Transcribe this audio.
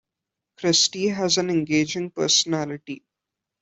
Christy has an engaging personality.